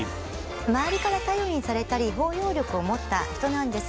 周りから頼りにされたり包容力を持った人なんですが。